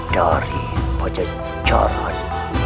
dari pecah jarak